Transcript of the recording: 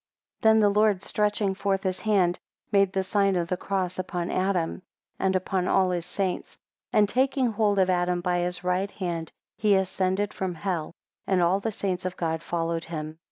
11 Then the Lord stretching forth his hand, made the sign of the cross upon Adam, and upon all his saints. 12 And taking hold of Adam by his right hand, he ascended from hell, and all the saints of God followed him.